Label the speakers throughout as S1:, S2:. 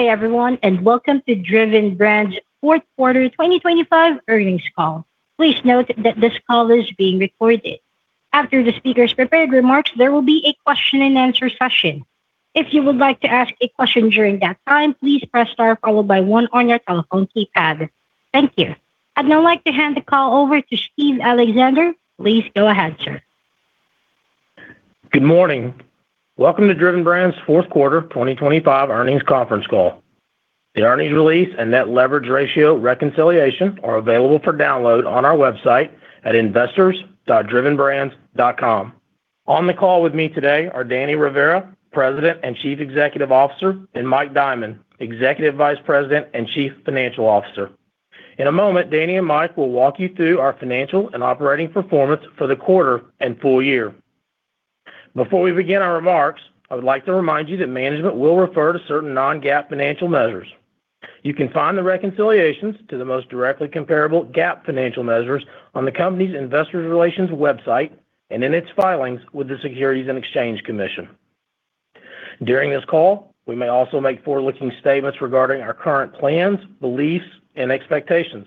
S1: Good day everyone, welcome to Driven Brands' fourth quarter 2025 earnings call. Please note that this call is being recorded. After the speaker's prepared remarks, there will be a question and answer session. If you would like to ask a question during that time, please press star followed by one on your telephone keypad. Thank you. I'd now like to hand the call over to Steve Alexander. Please go ahead, sir.
S2: Good morning. Welcome to Driven Brands' fourth quarter 2025 earnings conference call. The earnings release and net leverage ratio reconciliation are available for download on our website at investors.drivenbrands.com. On the call with me today are Danny Rivera, President and Chief Executive Officer, and Mike Diamond, Executive Vice President and Chief Financial Officer. In a moment, Danny and Mike will walk you through our financial and operating performance for the quarter and full year. Before we begin our remarks, I would like to remind you that management will refer to certain non-GAAP financial measures. You can find the reconciliations to the most directly comparable GAAP financial measures on the company's investor relations website and in its filings with the Securities and Exchange Commission. During this call, we may also make forward-looking statements regarding our current plans, beliefs, and expectations.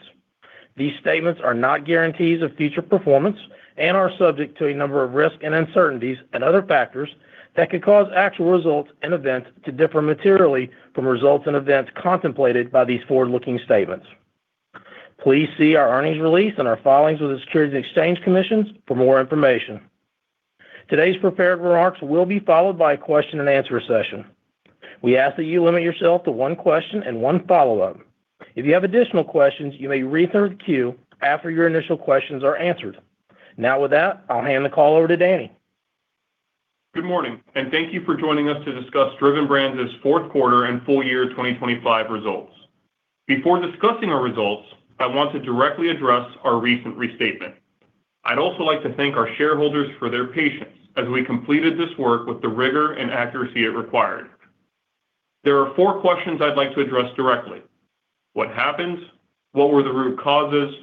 S2: These statements are not guarantees of future performance and are subject to a number of risks and uncertainties and other factors that could cause actual results and events to differ materially from results and events contemplated by these forward-looking statements. Please see our earnings release and our filings with the Securities and Exchange Commission for more information. Today's prepared remarks will be followed by a question-and-answer session. We ask that you limit yourself to one question and one follow-up. If you have additional questions, you may re-enter the queue after your initial questions are answered. Now, with that, I'll hand the call over to Danny.
S3: Good morning. Thank you for joining us to discuss Driven Brands' fourth quarter and full year 2025 results. Before discussing our results, I want to directly address our recent restatement. I'd also like to thank our shareholders for their patience as we completed this work with the rigor and accuracy it required. There are four questions I'd like to address directly. What happened? What were the root causes?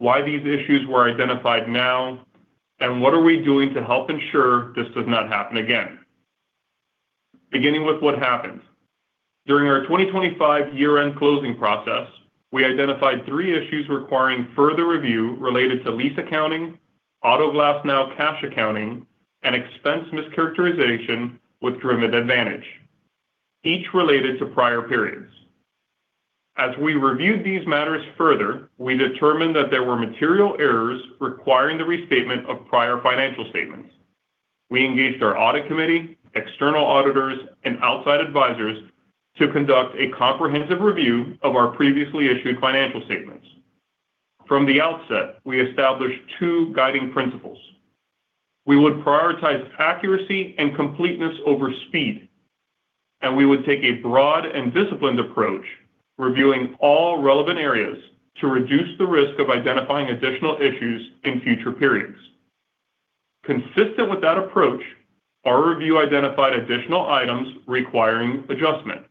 S3: Why these issues were identified now, and what are we doing to help ensure this does not happen again? Beginning with what happened. During our 2025 year-end closing process, we identified three issues requiring further review related to lease accounting, Auto Glass Now cash accounting, and expense mischaracterization with Driven Advantage, each related to prior periods. As we reviewed these matters further, we determined that there were material errors requiring the restatement of prior financial statements. We engaged our audit committee, external auditors and outside advisors to conduct a comprehensive review of our previously issued financial statements. From the outset, we established two guiding principles. We would prioritize accuracy and completeness over speed, and we would take a broad and disciplined approach, reviewing all relevant areas to reduce the risk of identifying additional issues in future periods. Consistent with that approach, our review identified additional items requiring adjustment.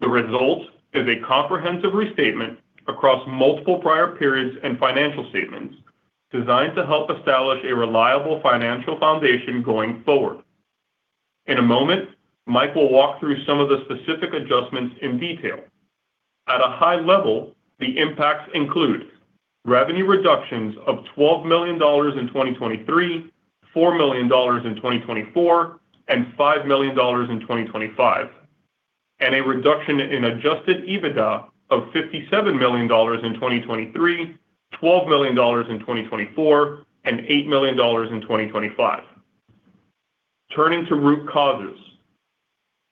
S3: The result is a comprehensive restatement across multiple prior periods and financial statements designed to help establish a reliable financial foundation going forward. In a moment, Mike will walk through some of the specific adjustments in detail. At a high level, the impacts include revenue reductions of $12 million in 2023, $4 million in 2024, and $5 million in 2025, and a reduction in adjusted EBITDA of $57 million in 2023, $12 million in 2024, and $8 million in 2025. Turning to root causes.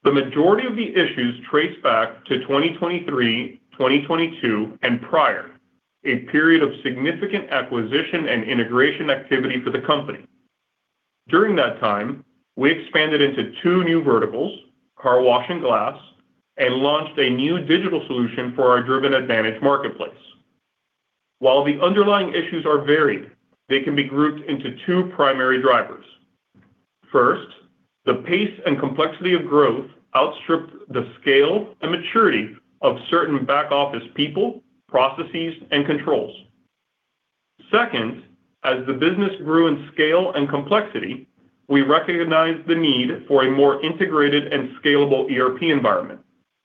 S3: The majority of the issues trace back to 2023, 2022 and prior, a period of significant acquisition and integration activity for the company. During that time, we expanded into two new verticals, Car Wash and Glass, and launched a new digital solution for our Driven Advantage marketplace. While the underlying issues are varied, they can be grouped into two primary drivers. First, the pace and complexity of growth outstripped the scale and maturity of certain back-office people, processes, and controls. Second, as the business grew in scale and complexity, we recognized the need for a more integrated and scalable ERP environment,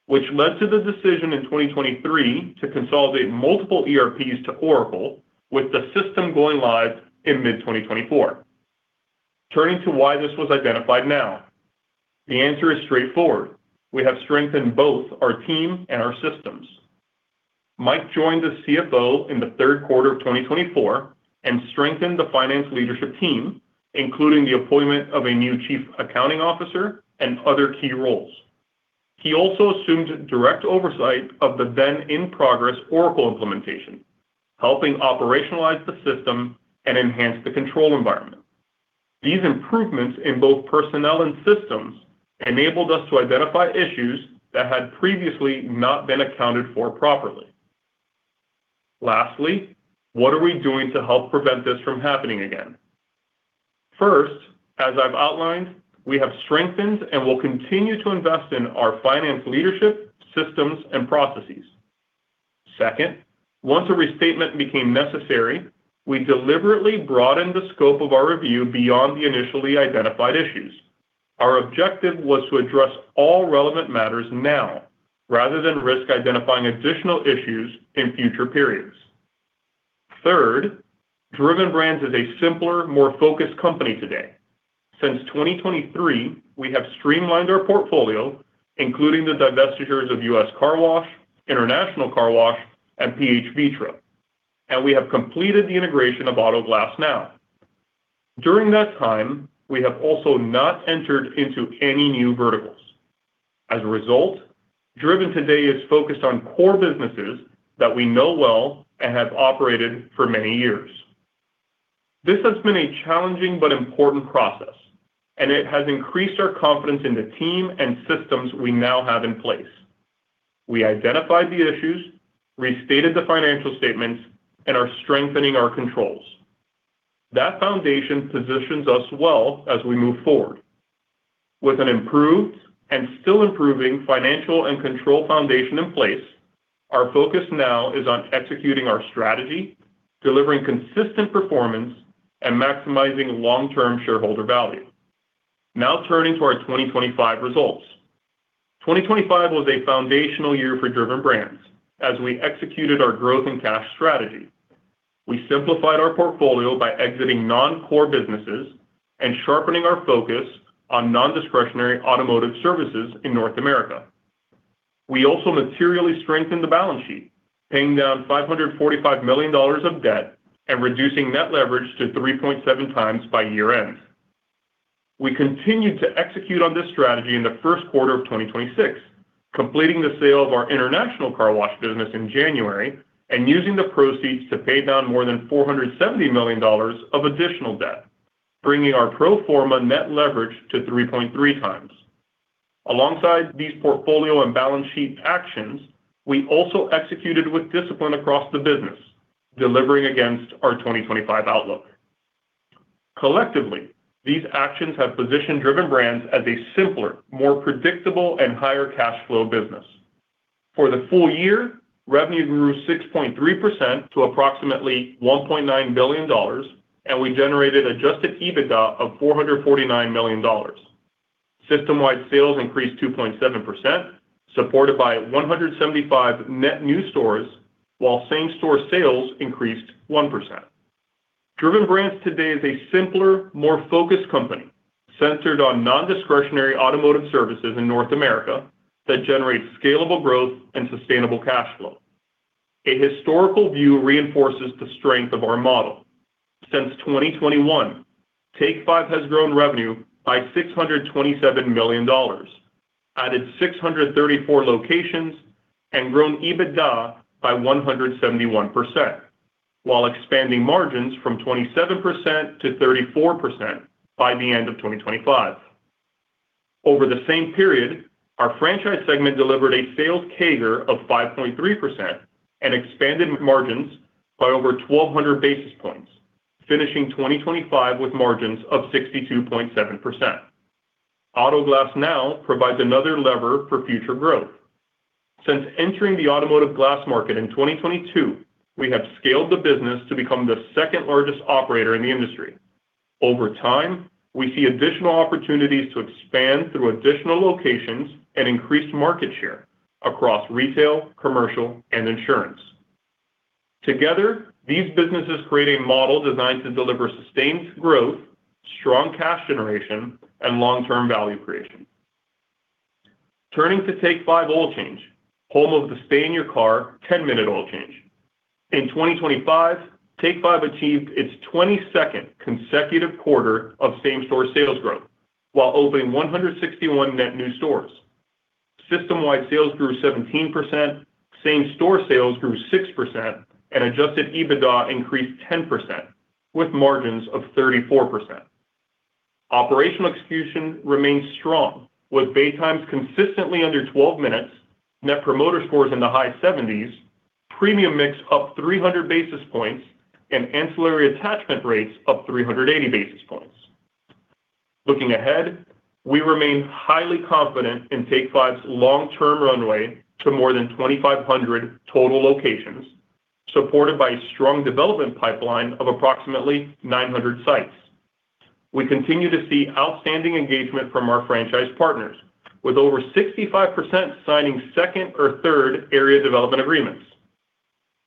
S3: which led to the decision in 2023 to consolidate multiple ERPs to Oracle, with the system going live in mid-2024. Turning to why this was identified now. The answer is straightforward. We have strengthened both our team and our systems. Mike joined as CFO in the third quarter of 2024 and strengthened the finance leadership team, including the appointment of a new Chief Accounting Officer and other key roles. He also assumed direct oversight of the then in-progress Oracle implementation, helping operationalize the system and enhance the control environment. These improvements in both personnel and systems enabled us to identify issues that had previously not been accounted for properly. Lastly, what are we doing to help prevent this from happening again? First, as I've outlined, we have strengthened and will continue to invest in our finance leadership, systems and processes. Second, once a restatement became necessary, we deliberately broadened the scope of our review beyond the initially identified issues. Our objective was to address all relevant matters now rather than risk identifying additional issues in future periods. Third, Driven Brands is a simpler, more focused company today. Since 2023, we have streamlined our portfolio, including the divestitures of U.S. Car Wash, International Car Wash, and, [inaudible] and we have completed the integration of Auto Glass Now. During that time, we have also not entered into any new verticals. As a result, Driven today is focused on core businesses that we know well and have operated for many years. This has been a challenging but important process, and it has increased our confidence in the team and systems we now have in place. We identified the issues, restated the financial statements, and are strengthening our controls. That foundation positions us well as we move forward. With an improved and still improving financial and control foundation in place, our focus now is on executing our strategy, delivering consistent performance, and maximizing long-term shareholder value. Now turning to our 2025 results. 2025 was a foundational year for Driven Brands as we executed our growth in cash strategy. We simplified our portfolio by exiting non-core businesses and sharpening our focus on non-discretionary automotive services in North America. We also materially strengthened the balance sheet, paying down $545 million of debt and reducing net leverage to 3.7 times by year-end. We continued to execute on this strategy in the first quarter of 2026, completing the sale of our International Car Wash business in January and using the proceeds to pay down more than $470 million of additional debt, bringing our pro forma net leverage to 3.3x. Alongside these portfolio and balance sheet actions, we also executed with discipline across the business, delivering against our 2025 outlook. Collectively, these actions have positioned Driven Brands as a simpler, more predictable, and higher cash flow business. For the full year, revenue grew 6.3% to approximately $1.9 billion, and we generated adjusted EBITDA of $449 million. System-wide sales increased 2.7%, supported by 175 net new stores, while same-store sales increased 1%. Driven Brands today is a simpler, more focused company centered on non-discretionary automotive services in North America that generates scalable growth and sustainable cash flow. A historical view reinforces the strength of our model. Since 2021, Take 5 has grown revenue by $627 million, added 634 locations, and grown EBITDA by 171% while expanding margins from 27% to 34% by the end of 2025. Over the same period, our Franchise segment delivered a sales CAGR of 5.3% and expanded margins by over 1,200 basis points, finishing 2025 with margins of 62.7%. Auto Glass Now provides another lever for future growth. Since entering the automotive glass market in 2022, we have scaled the business to become the second-largest operator in the industry. Over time, we see additional opportunities to expand through additional locations and increase market share across retail, commercial, and insurance. Together, these businesses create a model designed to deliver sustained growth, strong cash generation, and long-term value creation. Turning to Take 5 Oil Change, home of the stay-in-your-car, 10-minute oil change. In 2025, Take 5 achieved its 22nd consecutive quarter of same-store sales growth while opening 161 net new stores. System-wide sales grew 17%, same-store sales grew 6%, and adjusted EBITDA increased 10% with margins of 34%. Operational execution remains strong with bay times consistently under 12 minutes, Net Promoter Scores in the high 70s, premium mix up 300 basis points, and ancillary attachment rates up 380 basis points. Looking ahead, we remain highly confident in Take 5's long-term runway to more than 2,500 total locations, supported by a strong development pipeline of approximately 900 sites. We continue to see outstanding engagement from our franchise partners, with over 65% signing second or third area development agreements.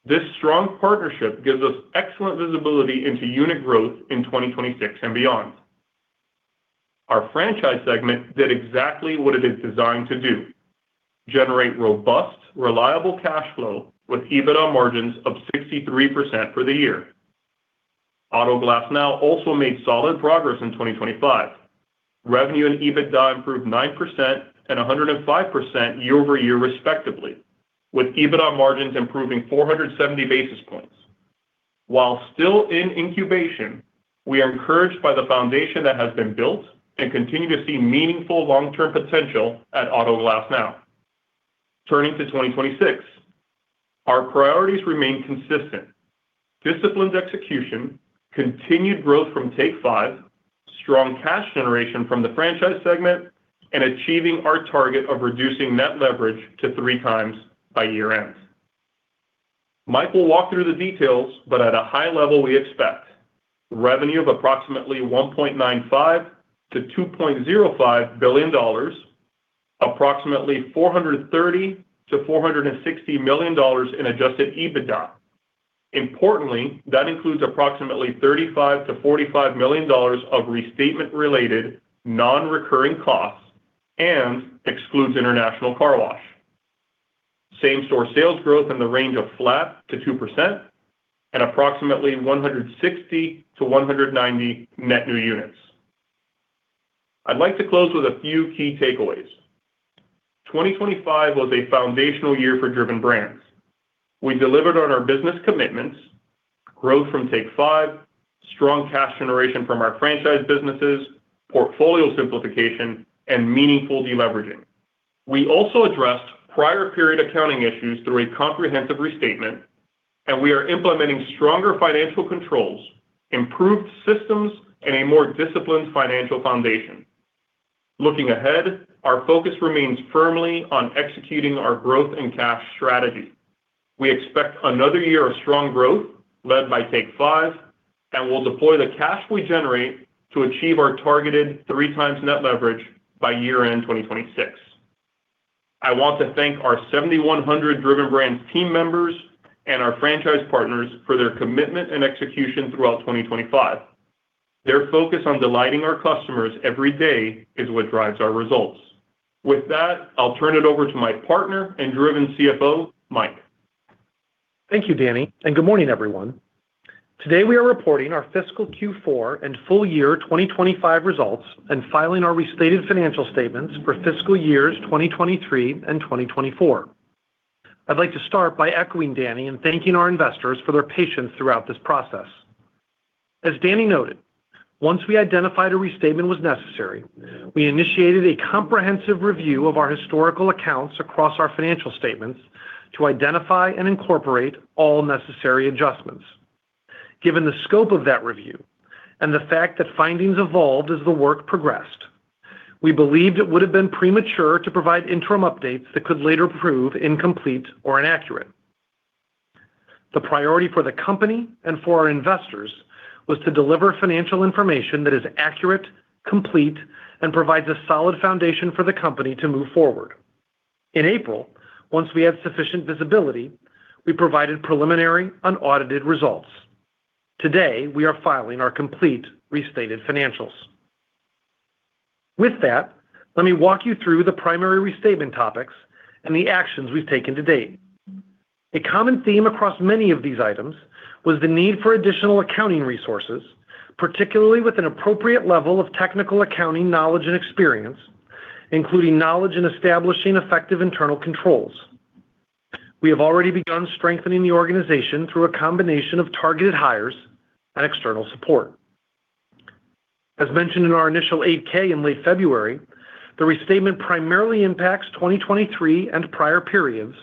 S3: This strong partnership gives us excellent visibility into unit growth in 2026 and beyond. Our franchise segment did exactly what it is designed to do, generate robust, reliable cash flow with EBITDA margins of 63% for the year. Auto Glass Now also made solid progress in 2025. Revenue and EBITDA improved 9% and 105% year-over-year respectively, with EBITDA margins improving 470 basis points. While still in incubation, we are encouraged by the foundation that has been built and continue to see meaningful long-term potential at Auto Glass Now. Turning to 2026, our priorities remain consistent. Disciplined execution, continued growth from Take 5, strong cash generation from the franchise segment, and achieving our target of reducing net leverage to 3 times by year-end. Mike will walk through the details, but at a high level, we expect revenue of approximately $1.95 billion-$2.05 billion, approximately $430 million-$460 million in adjusted EBITDA. Importantly, that includes approximately $35 million-$45 million of restatement-related, non-recurring costs and excludes International Car Wash. Same-store sales growth in the range of flat to 2% and approximately 160-190 net new units. I'd like to close with a few key takeaways. 2025 was a foundational year for Driven Brands. We delivered on our business commitments, growth from Take 5, strong cash generation from our franchise businesses, portfolio simplification, and meaningful deleveraging. We also addressed prior period accounting issues through a comprehensive restatement, we are implementing stronger financial controls, improved systems, and a more disciplined financial foundation. Looking ahead, our focus remains firmly on executing our growth and cash strategy. We expect another year of strong growth led by Take 5, and we'll deploy the cash we generate to achieve our targeted 3 times net leverage by year-end 2026. I want to thank our 7,100 Driven Brands team members and our franchise partners for their commitment and execution throughout 2025. Their focus on delighting our customers every day is what drives our results. With that, I'll turn it over to my partner and Driven CFO, Mike.
S4: Thank you, Danny, and good morning, everyone. Today, we are reporting our fiscal Q4 and full year 2025 results and filing our restated financial statements for fiscal years 2023 and 2024. I'd like to start by echoing Danny and thanking our investors for their patience throughout this process. As Danny noted, once we identified a restatement was necessary, we initiated a comprehensive review of our historical accounts across our financial statements to identify and incorporate all necessary adjustments. Given the scope of that review and the fact that findings evolved as the work progressed, we believed it would have been premature to provide interim updates that could later prove incomplete or inaccurate. The priority for the company and for our investors was to deliver financial information that is accurate, complete, and provides a solid foundation for the company to move forward. In April, once we had sufficient visibility, we provided preliminary, unaudited results. Today, we are filing our complete restated financials. With that, let me walk you through the primary restatement topics and the actions we've taken to date. A common theme across many of these items was the need for additional accounting resources, particularly with an appropriate level of technical accounting knowledge and experience, including knowledge in establishing effective internal controls. We have already begun strengthening the organization through a combination of targeted hires and external support. As mentioned in our initial 8-K in late February, the restatement primarily impacts 2023 and prior periods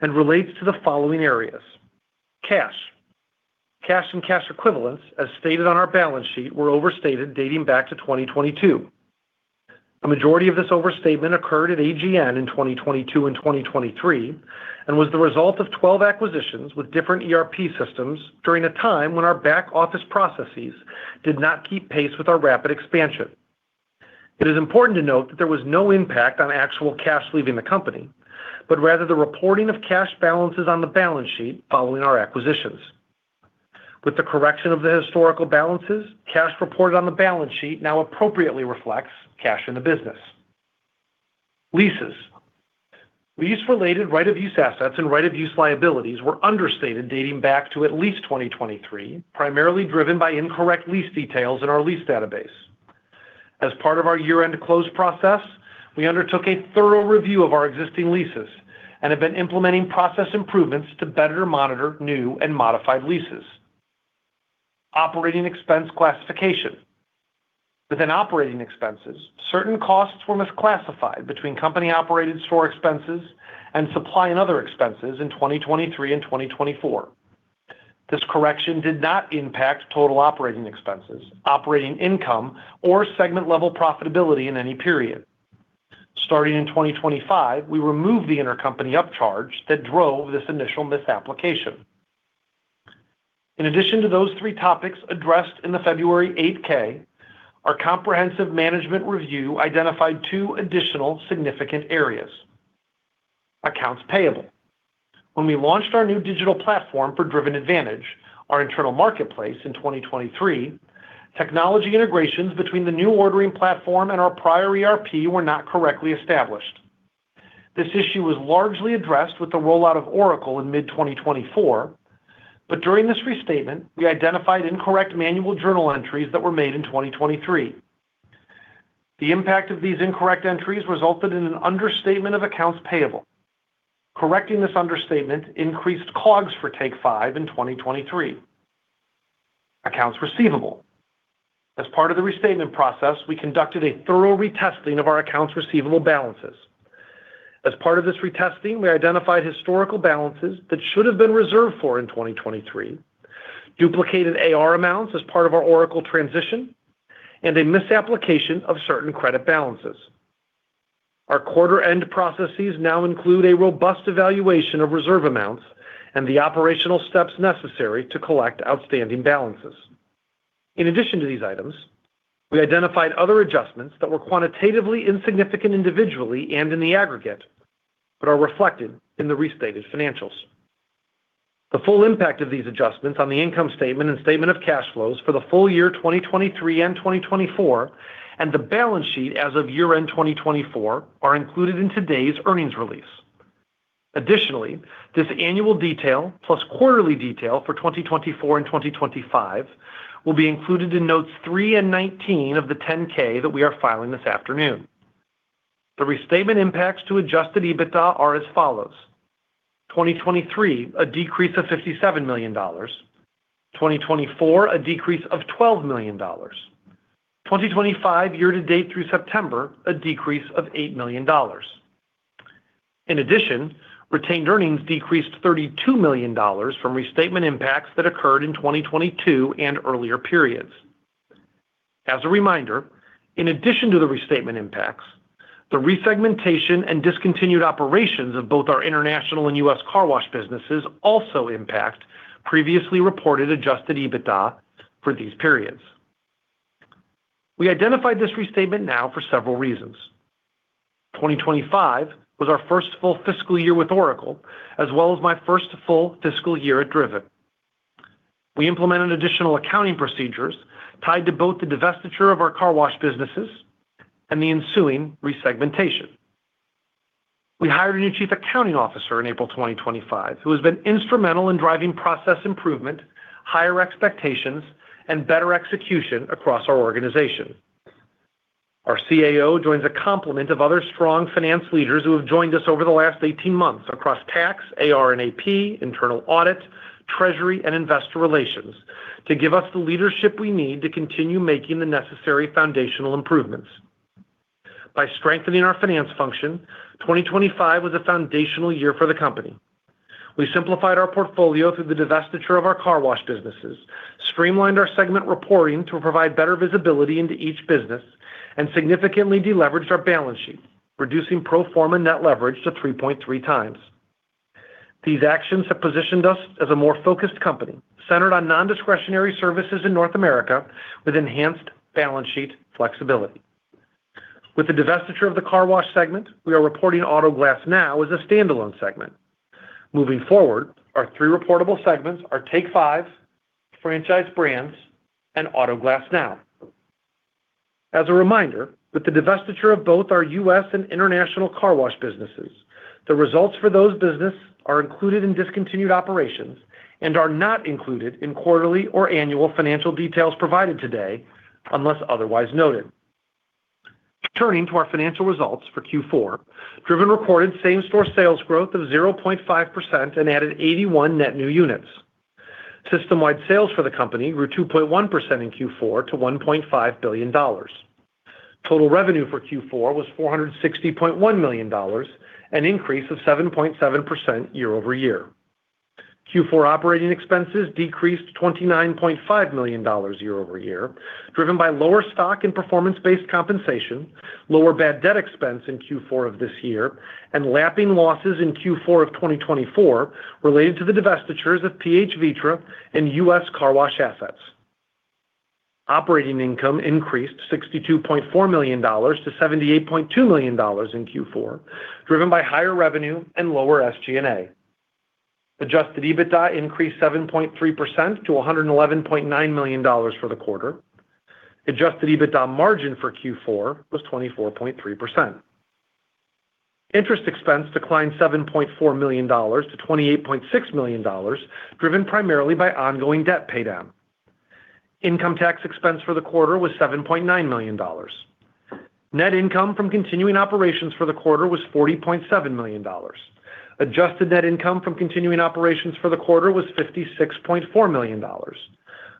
S4: and relates to the following areas. Cash. Cash and cash equivalents, as stated on our balance sheet, were overstated dating back to 2022. A majority of this overstatement occurred at AGN in 2022 and 2023 and was the result of 12 acquisitions with different ERP systems during a time when our back-office processes did not keep pace with our rapid expansion. It is important to note that there was no impact on actual cash leaving the company, but rather the reporting of cash balances on the balance sheet following our acquisitions. With the correction of the historical balances, cash reported on the balance sheet now appropriately reflects cash in the business. Leases. Lease-related right-of-use assets and right-of-use liabilities were understated dating back to at least 2023, primarily driven by incorrect lease details in our lease database. As part of our year-end close process, we undertook a thorough review of our existing leases and have been implementing process improvements to better monitor new and modified leases. Operating expense classification. Within operating expenses, certain costs were misclassified between company-operated store expenses and supply and other expenses in 2023 and 2024. This correction did not impact total operating expenses, operating income, or segment-level profitability in any period. Starting in 2025, we removed the intercompany upcharge that drove this initial misapplication. In addition to those three topics addressed in the February 8-K, our comprehensive management review identified two additional significant areas. Accounts payable. When we launched our new digital platform for Driven Advantage, our internal marketplace, in 2023, technology integrations between the new ordering platform and our prior ERP were not correctly established. This issue was largely addressed with the rollout of Oracle in mid-2024, but during this restatement, we identified incorrect manual journal entries that were made in 2023. The impact of these incorrect entries resulted in an understatement of accounts payable. Correcting this understatement increased COGS for Take 5 in 2023. Accounts receivable. As part of the restatement process, we conducted a thorough retesting of our accounts receivable balances. As part of this retesting, we identified historical balances that should have been reserved for in 2023, duplicated AR amounts as part of our Oracle transition, and a misapplication of certain credit balances. Our quarter-end processes now include a robust evaluation of reserve amounts and the operational steps necessary to collect outstanding balances. In addition to these items, we identified other adjustments that were quantitatively insignificant individually and in the aggregate, but are reflected in the restated financials. The full impact of these adjustments on the income statement and statement of cash flows for the full year 2023 and 2024 and the balance sheet as of year-end 2024 are included in today's earnings release. This annual detail plus quarterly detail for 2024 and 2025 will be included in notes 3 and 19 of the 10-K that we are filing this afternoon. The restatement impacts to adjusted EBITDA are as follows. 2023, a decrease of $57 million. 2024, a decrease of $12 million. 2025, year-to-date through September, a decrease of $8 million. Retained earnings decreased $32 million from restatement impacts that occurred in 2022 and earlier periods. The resegmentation and discontinued operations of both our International Car Wash and U.S. Car Wash businesses also impact previously reported adjusted EBITDA for these periods. We identified this restatement now for several reasons. 2025 was our first full fiscal year with Oracle, as well as my first full fiscal year at Driven. We implemented additional accounting procedures tied to both the divestiture of our car wash businesses and the ensuing resegmentation. We hired a new chief accounting officer in April 2025, who has been instrumental in driving process improvement, higher expectations, and better execution across our organization. Our CAO joins a complement of other strong finance leaders who have joined us over the last 18 months across tax, AR and AP, internal audit, treasury, and investor relations to give us the leadership we need to continue making the necessary foundational improvements. By strengthening our finance function, 2025 was a foundational year for the company. We simplified our portfolio through the divestiture of our car wash businesses, streamlined our segment reporting to provide better visibility into each business, and significantly deleveraged our balance sheet, reducing pro forma net leverage to 3.3x. These actions have positioned us as a more focused company, centered on non-discretionary services in North America with enhanced balance sheet flexibility. With the divestiture of the car wash segment, we are reporting Auto Glass Now as a standalone segment. Moving forward, our three reportable segments are Take 5, Franchise Brands, and Auto Glass Now. As a reminder, with the divestiture of both our U.S. Car Wash and International Car Wash businesses, the results for those business are included in discontinued operations and are not included in quarterly or annual financial details provided today, unless otherwise noted. Turning to our financial results for Q4, Driven Brands reported same-store sales growth of 0.5% and added 81 net new units. System-wide sales for the company grew 2.1% in Q4 to $1.5 billion. Total revenue for Q4 was $460.1 million, an increase of 7.7% year-over-year. Q4 operating expenses decreased $29.5 million year-over-year, driven by lower stock and performance-based compensation, lower bad debt expense in Q4 of this year, and lapping losses in Q4 of 2024 related to the divestitures of PH Vitra and U.S. Car Wash assets. Operating income increased $62.4 million to $78.2 million in Q4, driven by higher revenue and lower SG&A. Adjusted EBITDA increased 7.3% to $111.9 million for the quarter. Adjusted EBITDA margin for Q4 was 24.3%. Interest expense declined $7.4 million to $28.6 million, driven primarily by ongoing debt paydown. Income tax expense for the quarter was $7.9 million. Net income from continuing operations for the quarter was $40.7 million. Adjusted net income from continuing operations for the quarter was $56.4 million.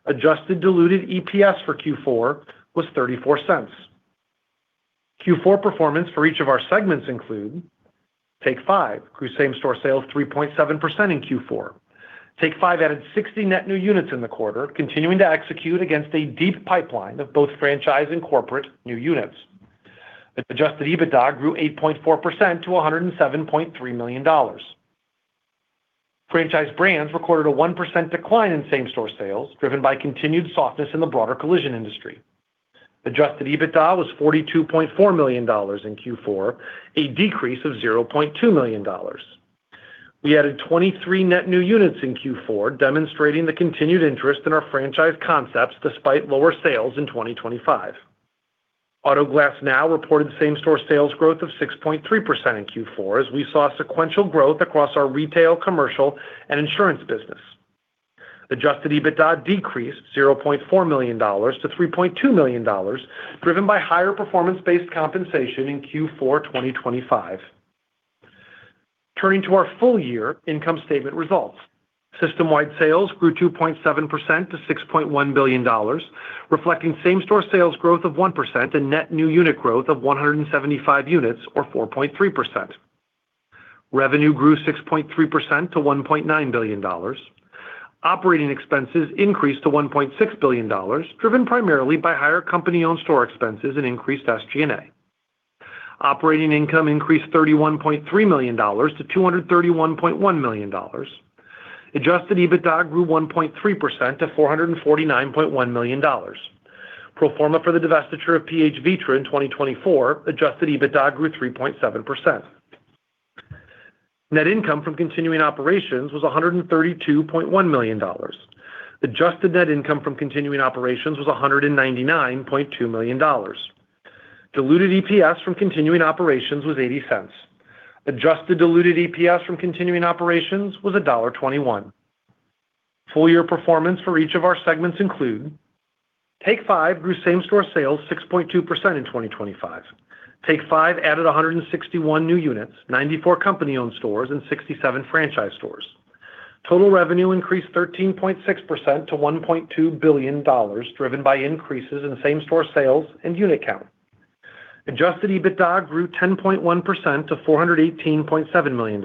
S4: Adjusted diluted EPS for Q4 was $0.34. Q4 performance for each of our segments include Take 5, whose same-store sales grew 3.7% in Q4. Take 5 added 60 net new units in the quarter, continuing to execute against a deep pipeline of both franchise and corporate new units. Adjusted EBITDA grew 8.4% to $107.3 million. Franchise Brands recorded a 1% decline in same-store sales, driven by continued softness in the broader collision industry. Adjusted EBITDA was $42.4 million in Q4, a decrease of $0.2 million. We added 23 net new units in Q4, demonstrating the continued interest in our franchise concepts despite lower sales in 2025. Auto Glass Now reported same-store sales growth of 6.3% in Q4, as we saw sequential growth across our retail, commercial, and insurance business. Adjusted EBITDA decreased $0.4 million to $3.2 million, driven by higher performance-based compensation in Q4 2025. Turning to our full-year income statement results. System-wide sales grew 2.7% to $6.1 billion, reflecting same-store sales growth of 1% and net new unit growth of 175 units, or 4.3%. Revenue grew 6.3% to $1.9 billion. Operating expenses increased to $1.6 billion, driven primarily by higher company-owned store expenses and increased SG&A. Operating income increased $31.3 million to $231.1 million. Adjusted EBITDA grew 1.3% to $449.1 million. Pro forma for the divestiture of PH Vitra in 2024, adjusted EBITDA grew 3.7%. Net income from continuing operations was $132.1 million. Adjusted net income from continuing operations was $199.2 million. Diluted EPS from continuing operations was $0.80. Adjusted diluted EPS from continuing operations was $1.21. Full-year performance for each of our segments include Take 5 grew same-store sales 6.2% in 2025. Take 5 added 161 new units, 94 company-owned stores, and 67 franchise stores. Total revenue increased 13.6% to $1.2 billion, driven by increases in same-store sales and unit count. Adjusted EBITDA grew 10.1% to $418.7 million.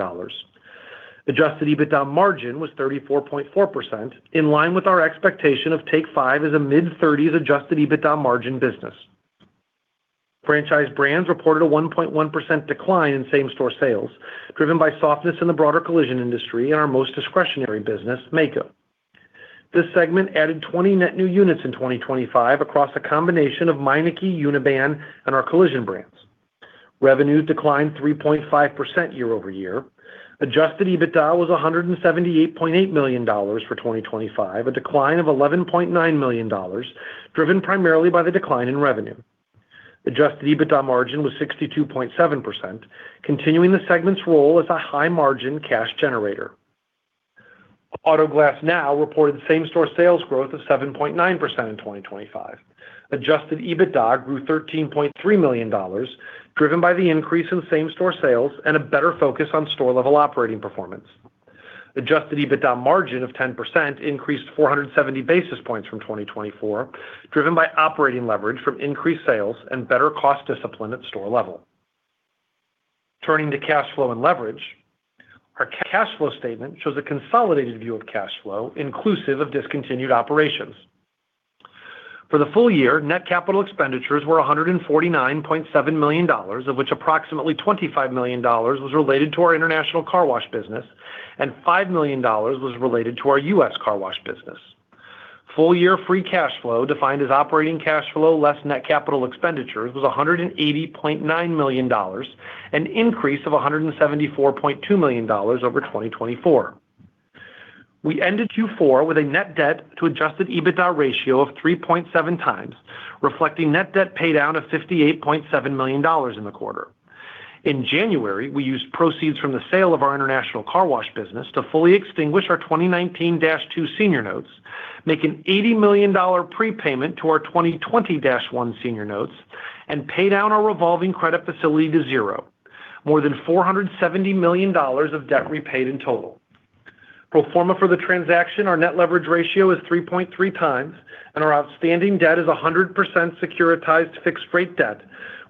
S4: Adjusted EBITDA margin was 34.4%, in line with our expectation of Take 5 as a mid-thirties adjusted EBITDA margin business. Franchise Brands reported a 1.1% decline in same-store sales, driven by softness in the broader collision industry and our most discretionary business, Maaco. This segment added 20 net new units in 2025 across a combination of Meineke, Uniban, and our Collision Brands. Revenue declined 3.5% year-over-year. Adjusted EBITDA was $178.8 million for 2025, a decline of $11.9 million, driven primarily by the decline in revenue. Adjusted EBITDA margin was 62.7%, continuing the segment's role as a high-margin cash generator. Auto Glass Now reported same-store sales growth of 7.9% in 2025. Adjusted EBITDA grew $13.3 million, driven by the increase in same-store sales and a better focus on store-level operating performance. Adjusted EBITDA margin of 10% increased 470 basis points from 2024, driven by operating leverage from increased sales and better cost discipline at store level. Turning to cash flow and leverage, our cash flow statement shows a consolidated view of cash flow inclusive of discontinued operations. For the full year, net capital expenditures were $149.7 million, of which approximately $25 million was related to our International Car Wash business and $5 million was related to our U.S. Car Wash business. Full-year free cash flow, defined as operating cash flow less net capital expenditures, was $180.9 million, an increase of $174.2 million over 2024. We ended Q4 with a net debt to adjusted EBITDA ratio of 3.7 times, reflecting net debt paydown of $58.7 million in the quarter. In January, we used proceeds from the sale of our International Car Wash business to fully extinguish our 2019-2 senior notes, make an $80 million prepayment to our 2020-1 senior notes, and pay down our revolving credit facility to zero, more than $470 million of debt repaid in total. Pro forma for the transaction, our net leverage ratio is 3.3x, and our outstanding debt is 100% securitized fixed-rate debt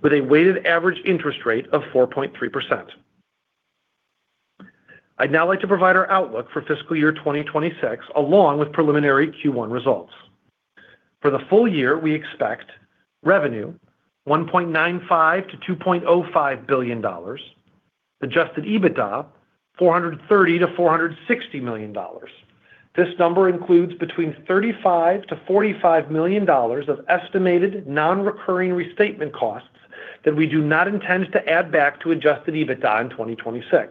S4: with a weighted average interest rate of 4.3%. I'd now like to provide our outlook for fiscal year 2026 along with preliminary Q1 results. For the full year, we expect revenue of $1.95 billion-$2.05 billion, Adjusted EBITDA of $430 million-$460 million. This number includes between $35 million-$45 million of estimated non-recurring restatement costs that we do not intend to add back to Adjusted EBITDA in 2026.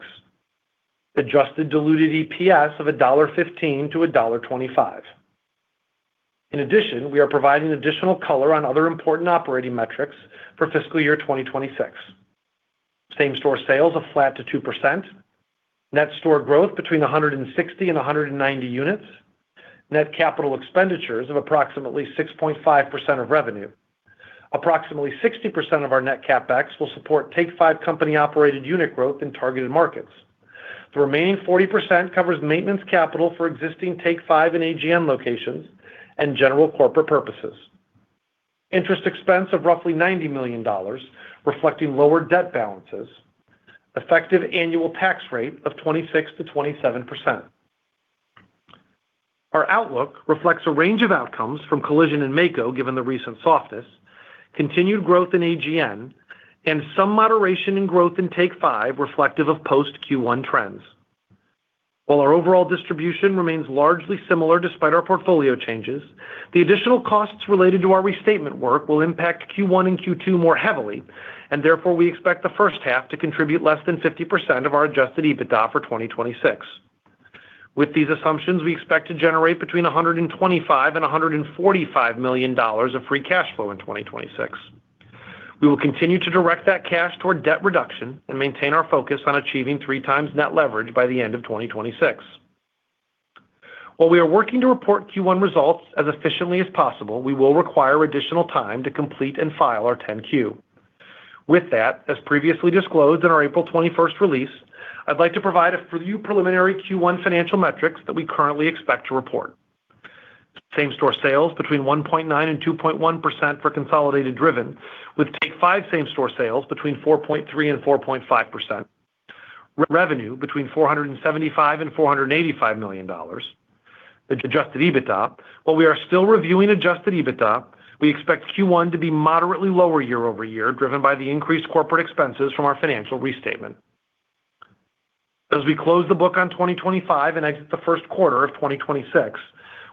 S4: Adjusted diluted EPS of $1.15-$1.25. In addition, we are providing additional color on other important operating metrics for fiscal year 2026. Same-store sales of flat to 2%. Net store growth between 160 and 190 units. Net CapEx of approximately 6.5% of revenue. Approximately 60% of our net CapEx will support Take 5 company-operated unit growth in targeted markets. The remaining 40% covers maintenance capital for existing Take 5 and AGN locations and general corporate purposes. Interest expense of roughly $90 million, reflecting lower debt balances. Effective annual tax rate of 26%-27%. Our outlook reflects a range of outcomes from Collision and Maaco, given the recent softness, continued growth in AGN, and some moderation in growth in Take 5, reflective of post-Q1 trends. While our overall distribution remains largely similar despite our portfolio changes, the additional costs related to our restatement work will impact Q1 and Q2 more heavily, and therefore we expect the first half to contribute less than 50% of our adjusted EBITDA for 2026. With these assumptions, we expect to generate between $125 million and $145 million of free cash flow in 2026. We will continue to direct that cash toward debt reduction and maintain our focus on achieving 3 times net leverage by the end of 2026. While we are working to report Q1 results as efficiently as possible, we will require additional time to complete and file our 10-Q. With that, as previously disclosed in our April 21st release, I'd like to provide a few preliminary Q1 financial metrics that we currently expect to report. Same-store sales between 1.9% and 2.1% for consolidated driven, with Take 5 same-store sales between 4.3% and 4.5%. Re-revenue between $475 million and $485 million. Adjusted EBITDA. While we are still reviewing adjusted EBITDA, we expect Q1 to be moderately lower year-over-year, driven by the increased corporate expenses from our financial restatement. As we close the book on 2025 and exit the first quarter of 2026,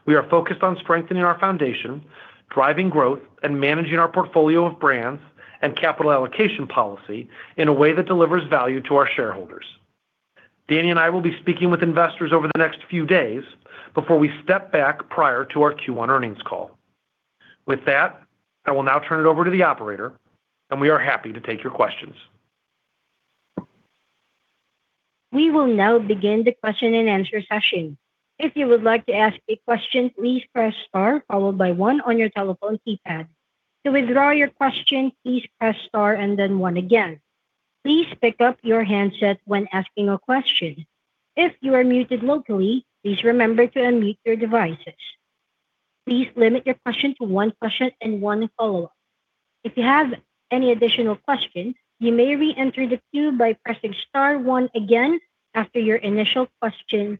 S4: we are focused on strengthening our foundation, driving growth, and managing our portfolio of brands and capital allocation policy in a way that delivers value to our shareholders. Danny and I will be speaking with investors over the next few days before we step back prior to our Q1 earnings call. With that, I will now turn it over to the operator, and we are happy to take your questions.
S1: We will now begin the question-and-answer session. If you would like to ask a question, please press star followed by 1 on your telephone keypad. To withdraw your question, please press star and then 1 again. Please pick up your handset when asking a question. If you are muted locally, please remember to unmute your devices. Please limit your question to 1 question and 1 follow-up. If you have any additional questions, you may re-enter the queue by pressing star 1 again after your initial question,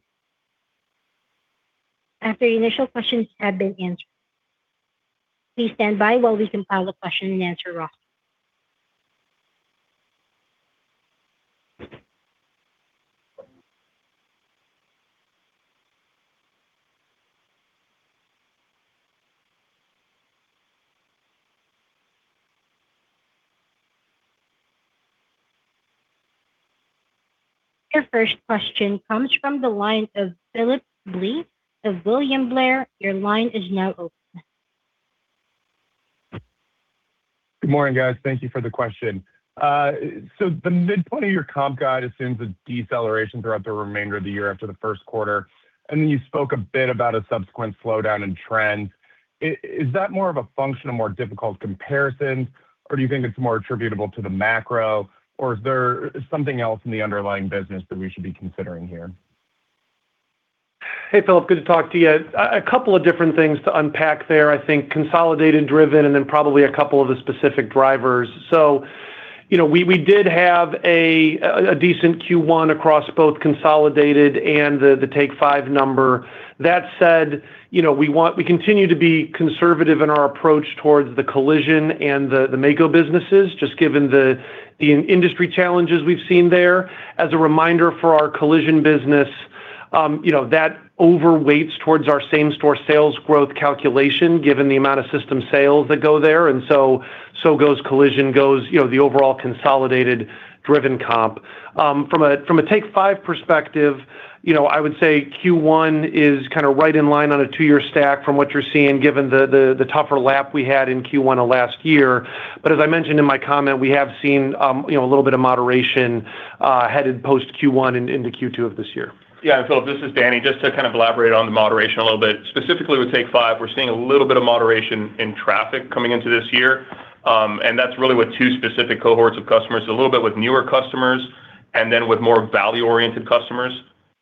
S1: after your initial questions have been answered. Please stand by while we compile the question-and-answer roster. Your first question comes from the line of Phillip Blee of William Blair. Your line is now open.
S5: Good morning, guys. Thank you for the question. The midpoint of your comp guide assumes a deceleration throughout the remainder of the year after the first quarter, you spoke a bit about a subsequent slowdown in trends. Is that more of a function of more difficult comparisons, or do you think it's more attributable to the macro, or is there something else in the underlying business that we should be considering here?
S4: Hey, Phillip, good to talk to you. A couple of different things to unpack there. I think consolidated Driven and probably a couple of the specific drivers. You know, we did have a decent Q1 across both consolidated and the Take 5 number. That said, you know, we continue to be conservative in our approach towards the collision and the Maaco businesses, just given the in-industry challenges we've seen there. As a reminder for our collision business, you know, that overweights towards our same-store sales growth calculation given the amount of system sales that go there. So goes collision, you know, the overall consolidated Driven comp. From a Take 5 perspective, you know, I would say Q1 is kind of right in line on a 2-year stack from what you're seeing, given the tougher lap we had in Q1 of last year. As I mentioned in my comment, we have seen, you know, a little bit of moderation, headed post Q1 into Q2 of this year.
S3: Yeah. Phillip, this is Danny. Just to kind of elaborate on the moderation a little bit. Specifically with Take 5, we're seeing a little bit of moderation in traffic coming into this year. That's really with two specific cohorts of customers, a little bit with newer customers and then with more value-oriented customers.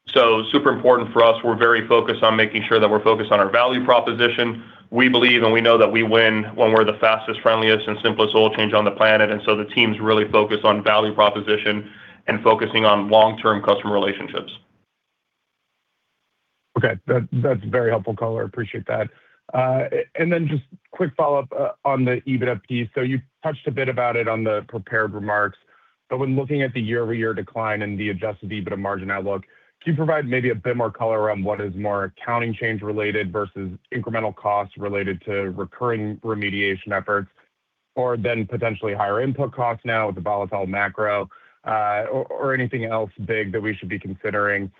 S3: Super important for us. We're very focused on making sure that we're focused on our value proposition. We believe and we know that we win when we're the fastest, friendliest, and simplest oil change on the planet. The team's really focused on value proposition and focusing on long-term customer relationships.
S5: Okay. That's a very helpful color. Appreciate that. Just quick follow-up on the EBITDA piece. You touched a bit about it on the prepared remarks, but when looking at the year-over-year decline and the adjusted EBITDA margin outlook, can you provide maybe a bit more color around what is more accounting change related versus incremental costs related to recurring remediation efforts, or then potentially higher input costs now with the volatile macro, or anything else big that we should be considering?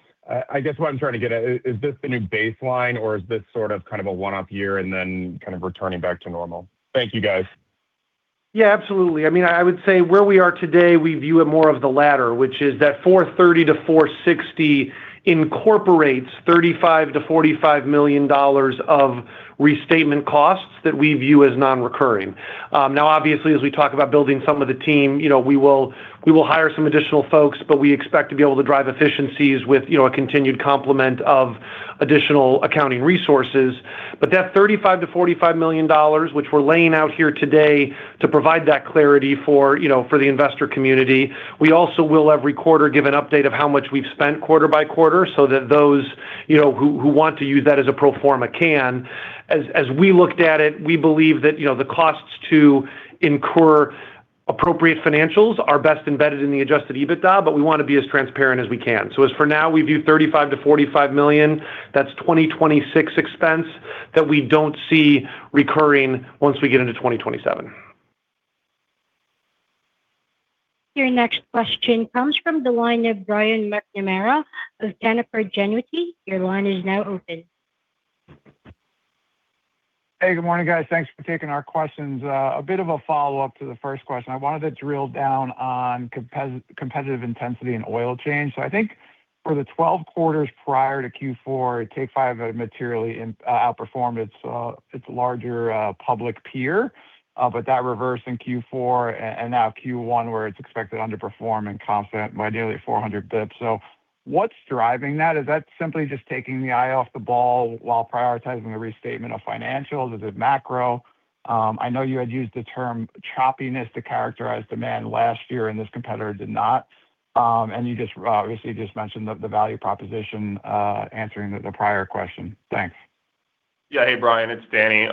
S5: I guess what I'm trying to get at, is this the new baseline or is this sort of a one-off year and then kind of returning back to normal? Thank you, guys.
S4: Yeah, absolutely. I mean, I would say where we are today, we view it more of the latter, which is that $430-$460 incorporates $35 million-$45 million of restatement costs that we view as non-recurring. Now, obviously, as we talk about building some of the team, you know, we will hire some additional folks, but we expect to be able to drive efficiencies with, you know, a continued complement of additional accounting resources. That $35 million-$45 million, which we're laying out here today to provide that clarity for, you know, for the investor community. We also will every quarter give an update of how much we've spent quarter by quarter so that those, you know, who want to use that as a pro forma can. As we looked at it, we believe that, you know, the costs to incur appropriate financials are best embedded in the adjusted EBITDA. We wanna be as transparent as we can. As for now, we view $35 million-$45 million, that's 2026 expense that we don't see recurring once we get into 2027.
S1: Your next question comes from the line of Brian McNamara of Canaccord Genuity. Your line is now open.
S6: Hey, good morning, guys. Thanks for taking our questions. A bit of a follow-up to the first question. I wanted to drill down on competitive intensity and oil change. I think for the 12 quarters prior to Q4, Take 5 materially outperformed its larger public peer, but that reversed in Q4 and now Q1, where it's expected to underperform in concept by nearly 400 basis points. What's driving that? Is that simply just taking the eye off the ball while prioritizing the restatement of financials? Is it macro? I know you had used the term choppiness to characterize demand last year, and this competitor did not. You just obviously just mentioned the value proposition answering the prior question. Thanks.
S3: Yeah. Hey, Brian, it's Danny.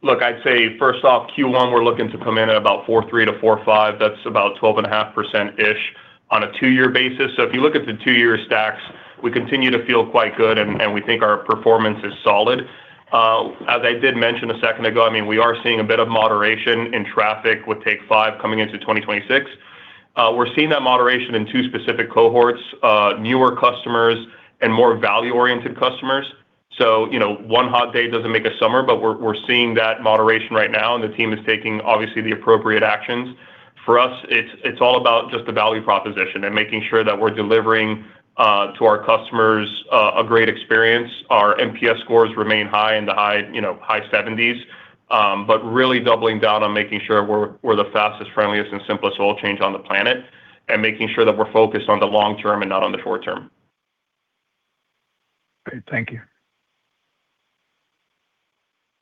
S3: Look, I'd say first off, Q1, we're looking to come in at about 4.3-4.5. That's about 12.5%-ish on a 2-year basis. If you look at the 2-year stacks, we continue to feel quite good and we think our performance is solid. As I did mention a second ago, I mean, we are seeing a bit of moderation in traffic with Take 5 coming into 2026. We're seeing that moderation in 2 specific cohorts, newer customers and more value-oriented customers. You know, 1 hot day doesn't make a summer, but we're seeing that moderation right now, and the team is taking, obviously, the appropriate actions. For us, it's all about just the value proposition and making sure that we're delivering to our customers a great experience. Our NPS scores remain high in the high, you know, high seventies. Really doubling down on making sure we're the fastest, friendliest, and simplest oil change on the planet and making sure that we're focused on the long term and not on the short term.
S6: Great. Thank you.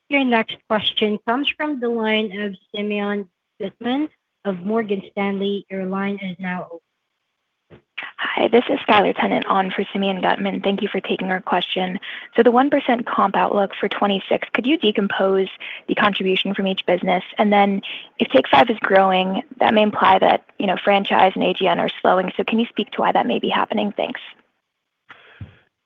S1: Your next question comes from the line of Simeon Gutman of Morgan Stanley. Your line is now open.
S7: Hi, this is Skylar Tennant on for Simeon Gutman. Thank you for taking our question. The 1% comp outlook for 2026, could you decompose the contribution from each business? If Take 5 is growing, that may imply that, you know, Franchise and AGN are slowing. Can you speak to why that may be happening? Thanks.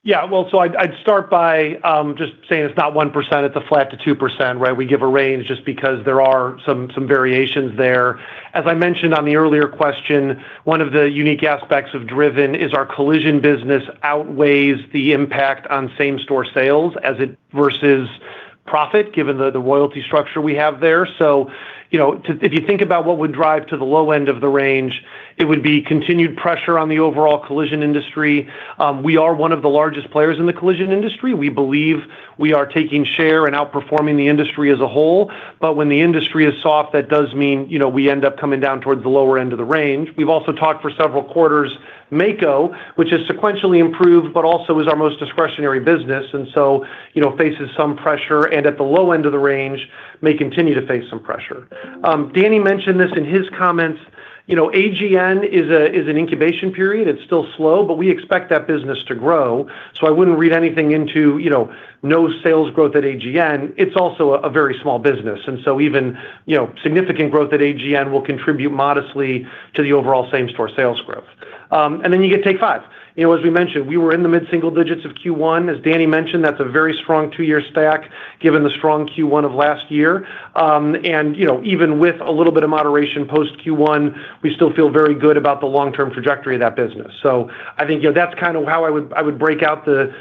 S4: Yeah. Well, I'd start by just saying it's not 1%, it's a flat to 2%, right? We give a range just because there are some variations there. As I mentioned on the earlier question, one of the unique aspects of Driven is our collision business outweighs the impact on same-store sales as it versus profit, given the royalty structure we have there. You know, if you think about what would drive to the low end of the range, it would be continued pressure on the overall collision industry. We are one of the largest players in the collision industry. We believe we are taking share and outperforming the industry as a whole. When the industry is soft, that does mean, you know, we end up coming down towards the lower end of the range. We've also talked for several quarters Maaco, which has sequentially improved, but also is our most discretionary business, and so, you know, faces some pressure, and at the low end of the range, may continue to face some pressure. Danny mentioned this in his comments. You know, AGN is an incubation period. It's still slow, but we expect that business to grow. I wouldn't read anything into, you know, no sales growth at AGN. It's also a very small business, and so even, you know, significant growth at AGN will contribute modestly to the overall same-store sales growth. Then you get Take 5. You know, as we mentioned, we were in the mid-single digits of Q1. As Danny mentioned, that's a very strong 2-year stack given the strong Q1 of last year. You know, even with a little bit of moderation post Q1, we still feel very good about the long-term trajectory of that business. I think, you know, that's kinda how I would, I would break out the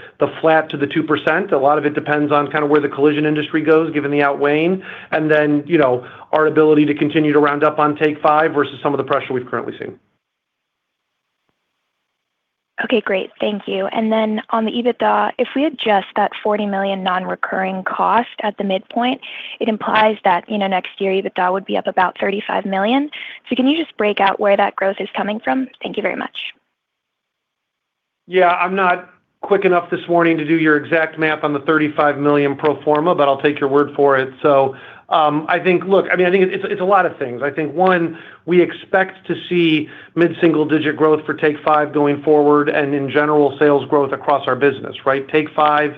S4: flat to the 2%. A lot of it depends on kinda where the collision industry goes, given the outweighing, and then, you know, our ability to continue to round up on Take 5 versus some of the pressure we've currently seen.
S7: Okay, great. Thank you. On the EBITDA, if we adjust that $40 million non-recurring cost at the midpoint, it implies that, you know, next year, EBITDA would be up about $35 million. Can you just break out where that growth is coming from? Thank you very much.
S4: Yeah. I'm not quick enough this morning to do your exact math on the $35 million pro forma, but I'll take your word for it. I think Look, I mean, I think it's a lot of things. I think, one, we expect to see mid-single-digit growth for Take 5 going forward and in general sales growth across our business, right? Take 5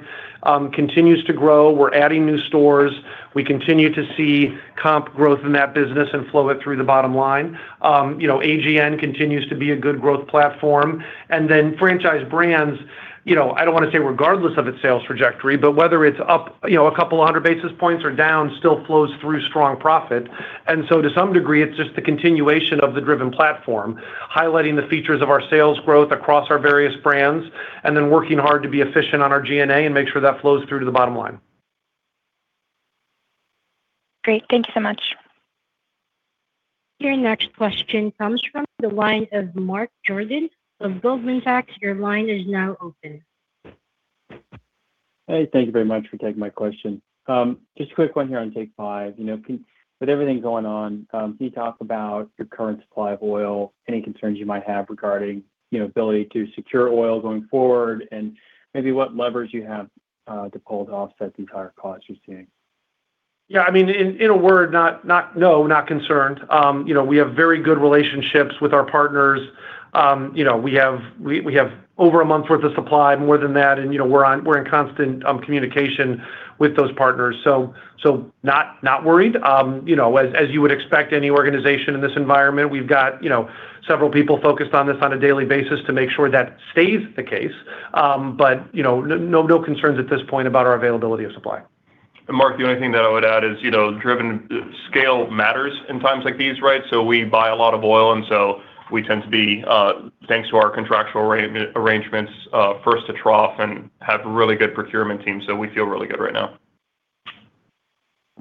S4: continues to grow. We're adding new stores. We continue to see comp growth in that business and flow it through the bottom line. You know, Auto Glass Now continues to be a good growth platform. Franchise Brands, you know, I don't wanna say regardless of its sales trajectory, but whether it's up, you know, a couple hundred basis points or down, still flows through strong profit. To some degree, it's just the continuation of the Driven platform, highlighting the features of our sales growth across our various brands, and then working hard to be efficient on our G&A and make sure that flows through to the bottom line.
S7: Great. Thank you so much.
S1: Your next question comes from the line of Mark Jordan of Goldman Sachs. Your line is now open.
S8: Hey, thank you very much for taking my question. Just a quick one here on Take 5. You know, With everything going on, can you talk about your current supply of oil, any concerns you might have regarding, you know, ability to secure oil going forward, and maybe what levers you have to pull to offset the higher costs you're seeing?
S4: Yeah, I mean, in a word, No, not concerned. You know, we have very good relationships with our partners. You know, we have over a month's worth of supply, more than that, and, you know, we're in constant communication with those partners. Not worried. You know, as you would expect any organization in this environment, we've got, you know, several people focused on this on a daily basis to make sure that stays the case. You know, no concerns at this point about our availability of supply.
S3: Mark, the only thing that I would add is, you know, Driven scale matters in times like these, right? We buy a lot of oil, we tend to be, thanks to our contractual arrangements, [inaudible] and have really good procurement teams, we feel really good right now.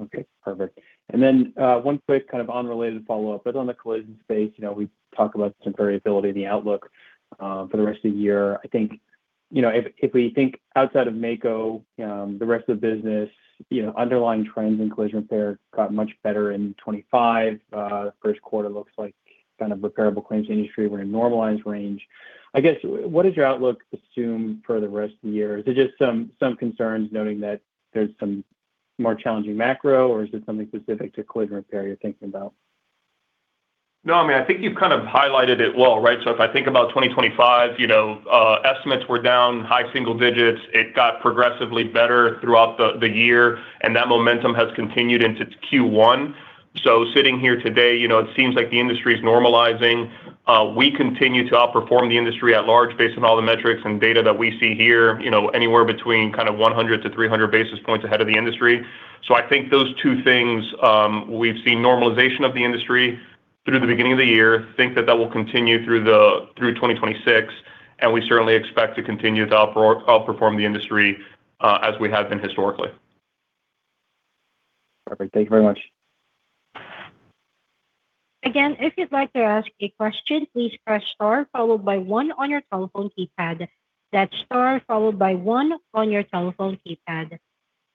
S8: Okay, perfect. Then, one quick kind of unrelated follow-up, but on the collision space, you know, we talk about some variability in the outlook for the rest of the year. I think, you know, if we think outside of Maaco, the rest of the business, you know, underlying trends in collision repair got much better in 2025. First quarter looks like kind of repairable claims industry, we're in a normalized range. I guess, what does your outlook assume for the rest of the year? Is it just some concerns noting that there's some more challenging macro, or is it something specific to collision repair you're thinking about?
S3: No, I mean, I think you've kind of highlighted it well, right? If I think about 2025, estimates were down high single digits. It got progressively better throughout the year, and that momentum has continued into Q1. Sitting here today, it seems like the industry's normalizing. We continue to outperform the industry at large based on all the metrics and data that we see here, anywhere between kind of 100-300 basis points ahead of the industry. I think those two things, we've seen normalization of the industry through the beginning of the year. Think that that will continue through 2026, and we certainly expect to continue to outperform the industry, as we have been historically.
S8: Perfect. Thank you very much.
S1: Again, if you'd like to ask a question, please press star followed by 1 on your telephone keypad. That's star followed by 1 on your telephone keypad.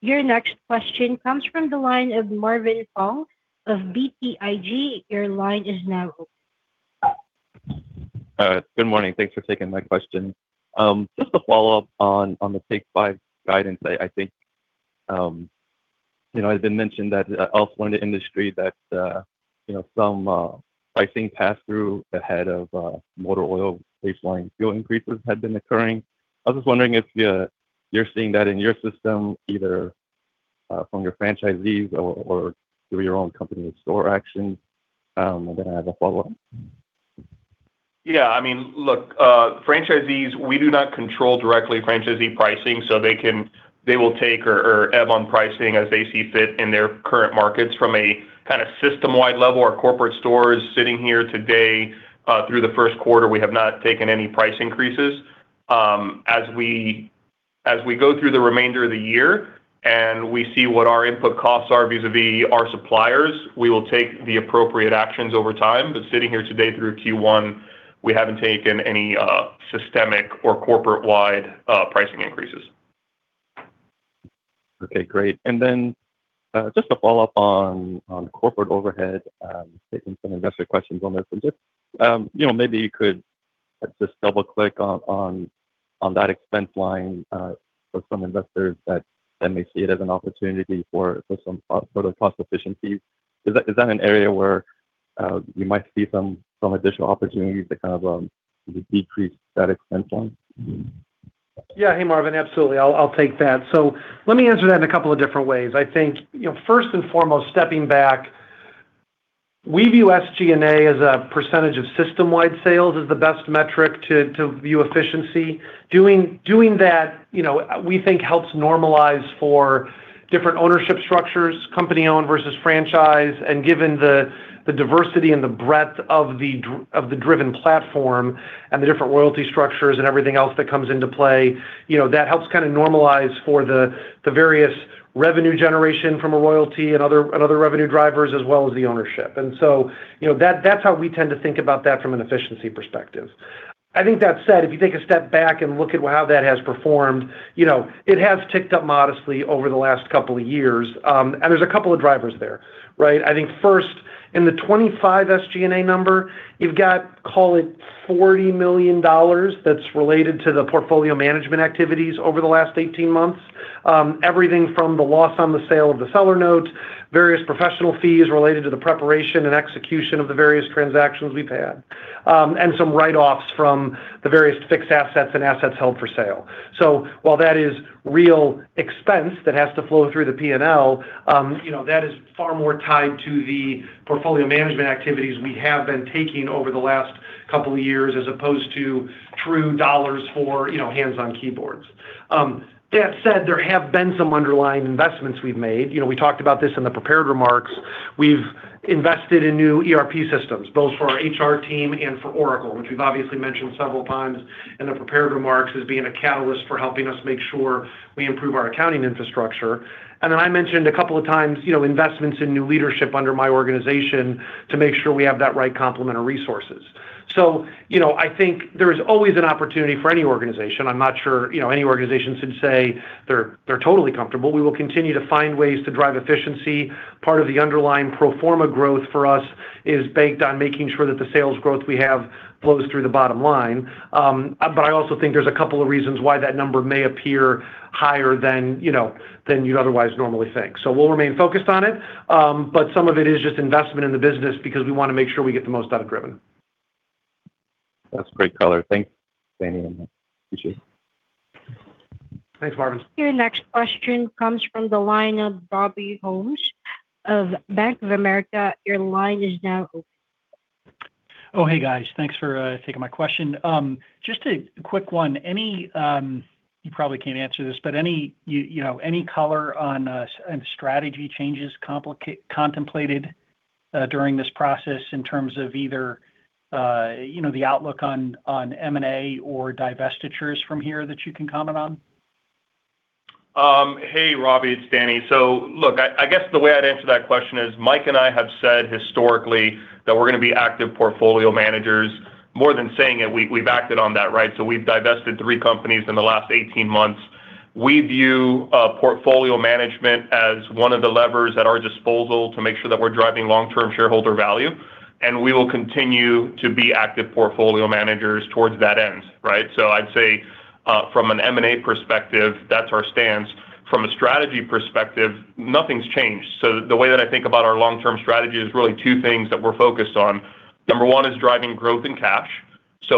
S1: Your next question comes from the line of Marvin Fong of BTIG. Your line is now open.
S9: All right, good morning. Thanks for taking my question. Just a follow-up on the Take 5 guidance. I think, you know, it's been mentioned that elsewhere in the industry that, you know, some pricing pass-through ahead of motor oil baseline fuel increases had been occurring. I was just wondering if you're seeing that in your system either from your franchisees or through your own company store action. Then I have a follow-up.
S4: I mean, look, franchisees, we do not control directly franchisee pricing, so they will take or [inaudible] on pricing as they see fit in their current markets. From a kind of system-wide level, our corporate store is sitting here today, through the first quarter, we have not taken any price increases. As we go through the remainder of the year and we see what our input costs are vis-à-vis our suppliers, we will take the appropriate actions over time. Sitting here today through Q1, we haven't taken any systemic or corporate-wide pricing increases.
S9: Okay, great. Just to follow up on corporate overhead, taking some investor questions on this. You know, maybe you could just double-click on that expense line for some investors that then may see it as an opportunity for some sort of cost efficiencies. Is that an area where you might see some additional opportunities to kind of decrease that expense line?
S4: Hey, Marvin Fong. Absolutely. I'll take that. Let me answer that in a couple of different ways. I think, you know, first and foremost, stepping back, we view SG&A as a percentage of system-wide sales as the best metric to view efficiency. Doing that, you know, we think helps normalize for different ownership structures, company-owned versus franchise. Given the diversity and the breadth of the Driven platform and the different royalty structures and everything else that comes into play, you know, that helps kinda normalize for the various revenue generation from a royalty and other revenue drivers as well as the ownership. You know, that's how we tend to think about that from an efficiency perspective. I think that said, if you take a step back and look at how that has performed, you know, it has ticked up modestly over the last couple of years. There's a couple of drivers there, right? I think first, in the 25 SG&A number, you've got, call it $40 million that's related to the portfolio management activities over the last 18 months. Everything from the loss on the sale of the seller note, various professional fees related to the preparation and execution of the various transactions we've had. Some write-offs from the various fixed assets and assets held for sale. While that is real expense that has to flow through the P&L, you know, that is far more tied to the portfolio management activities we have been taking over the last couple of years as opposed to true dollars for, you know, hands-on-keyboards. That said, there have been some underlying investments we've made. You know, we talked about this in the prepared remarks. We've invested in new ERP systems, both for our HR team and for Oracle, which we've obviously mentioned several times in the prepared remarks as being a catalyst for helping us make sure we improve our accounting infrastructure. I mentioned a couple of times, you know, investments in new leadership under my organization to make sure we have that right complement of resources. You know, I think there is always an opportunity for any organization. I'm not sure, you know, any organization should say they're totally comfortable. We will continue to find ways to drive efficiency. Part of the underlying pro forma growth for us is baked on making sure that the sales growth we have flows through the bottom line. I also think there's 2 reasons why that number may appear higher than, you know, than you'd otherwise normally think. We'll remain focused on it. Some of it is just investment in the business because we wanna make sure we get the most out of Driven.
S9: That's a great color. Thanks, Danny, and appreciate it.
S4: Thanks, Marvin.
S1: Your next question comes from the line of Robert Ohmes of Bank of America.
S10: Oh, hey, guys. Thanks for taking my question. Just a quick one. Any You probably can't answer this, but any, you know, any color on strategy changes contemplated during this process in terms of either, you know, the outlook on M&A or divestitures from here that you can comment on?
S3: Hey Robbie, it's Danny. Look, I guess the way I'd answer that question is Mike and I have said historically that we're gonna be active portfolio managers. More than saying it, we've acted on that, right? We've divested 3 companies in the last 18 months. We view portfolio management as one of the levers at our disposal to make sure that we're driving long-term shareholder value, and we will continue to be active portfolio managers towards that end, right? I'd say, from an M&A perspective, that's our stance. From a strategy perspective, nothing's changed. The way that I think about our long-term strategy is really two things that we're focused on. Number one is driving growth and cash.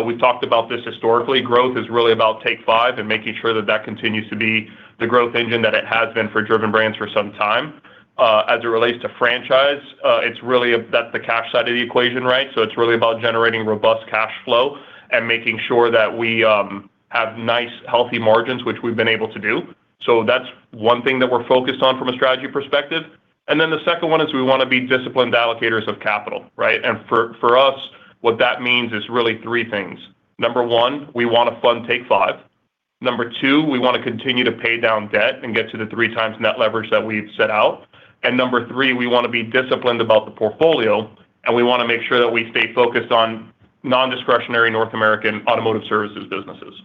S3: We've talked about this historically. Growth is really about Take 5 and making sure that that continues to be the growth engine that it has been for Driven Brands for some time. As it relates to franchise, that's the cash side of the equation, right? It's really about generating robust cash flow and making sure that we have nice healthy margins, which we've been able to do. That's one thing that we're focused on from a strategy perspective. The second one is we wanna be disciplined allocators of capital, right? For us, what that means is really 3 things. Number one, we wanna fund Take 5. Number two, we wanna continue to pay down debt and get to the 3 times net leverage that we've set out. Number three, we wanna be disciplined about the portfolio, we wanna make sure that we stay focused on non-discretionary North American automotive services businesses.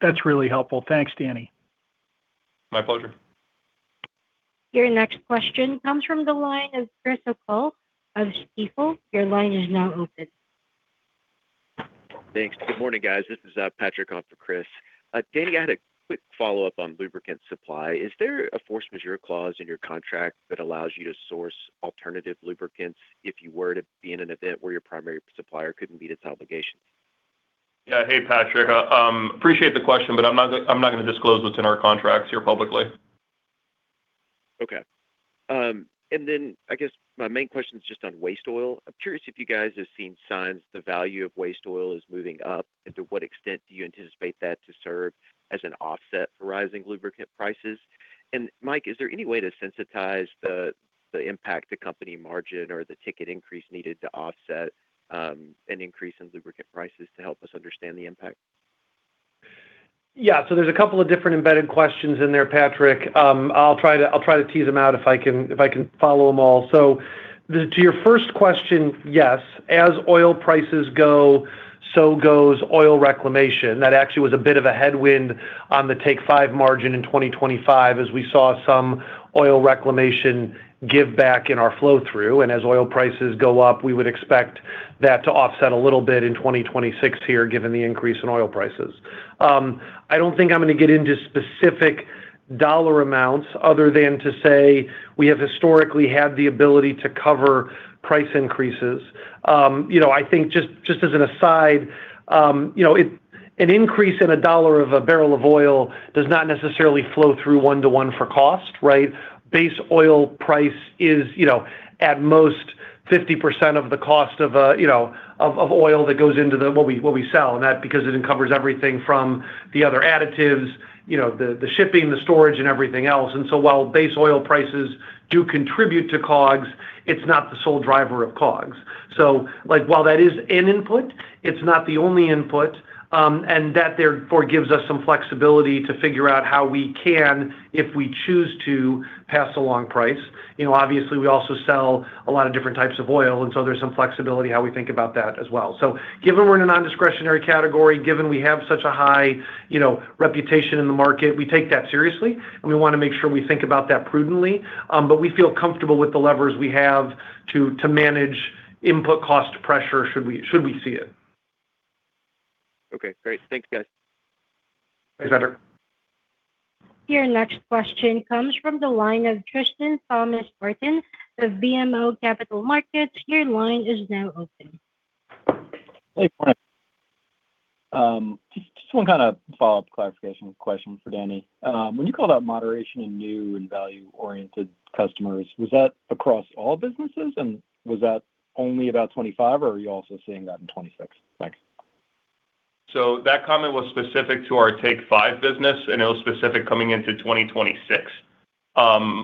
S10: That's really helpful. Thanks, Danny.
S3: My pleasure.
S1: Your next question comes from the line of Chris O'Cull of Stifel. Your line is now open.
S11: Thanks. Good morning, guys. This is Patrick on for Chris. Danny, I had a quick follow-up on lubricant supply. Is there a force majeure clause in your contract that allows you to source alternative lubricants if you were to be in an event where your primary supplier couldn't meet its obligations?
S3: Yeah. Hey, Patrick. Appreciate the question, but I'm not gonna disclose what's in our contracts here publicly.
S11: Okay. Then I guess my main question is just on waste oil. I'm curious if you guys have seen signs the value of waste oil is moving up, to what extent do you anticipate that to serve as an offset for rising lubricant prices? Mike, is there any way to sensitize the impact to company margin or the ticket increase needed to offset an increase in lubricant prices to help us understand the impact?
S4: There's a couple of different embedded questions in there, Patrick. I'll try to tease them out if I can, if I can follow them all. To your first question, yes. As oil prices go, so goes oil reclamation. That actually was a bit of a headwind on the Take 5 margin in 2025 as we saw some oil reclamation give back in our flow through. As oil prices go up, we would expect that to offset a little bit in 2026 here given the increase in oil prices. I don't think I'm gonna get into specific dollar amounts other than to say we have historically had the ability to cover price increases. You know, I think just as an aside, you know, it an increase in $1 of a barrel of oil does not necessarily flow through 1 to 1 for cost, right? Base oil price is, you know, at most 50% of the cost of, you know, of oil that goes into the what we, what we sell, and that because it covers everything from the other additives, you know, the shipping, the storage, and everything else. While base oil prices do contribute to COGS, it's not the sole driver of COGS. Like, while that is an input, it's not the only input, and that therefore gives us some flexibility to figure out how we can, if we choose to, pass along price. You know, obviously we also sell a lot of different types of oil, there's some flexibility how we think about that as well. Given we're in a non-discretionary category, given we have such a high, you know, reputation in the market, we take that seriously, and we wanna make sure we think about that prudently. We feel comfortable with the levers we have to manage input cost pressure should we see it.
S11: Okay. Great. Thanks, guys.
S4: Thanks, Patrick.
S1: Your next question comes from the line of Tristan Thomas-Martin of BMO Capital Markets. Your line is now open.
S12: Hey. Morning. just one kind of follow-up clarification question for Danny. when you called out moderation in new and value-oriented customers, was that across all businesses, and was that only about 25, or are you also seeing that in 26? Thanks.
S3: That comment was specific to our Take 5 business, and it was specific coming into 2026.